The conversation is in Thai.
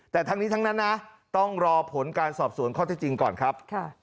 แต่ทั้งนี้ทั้งนั้นนะต้องรอผลการสอบสวนข้อที่จริงก่อนครับ